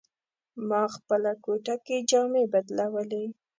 ما خپله کوټه کې جامې بدلولې.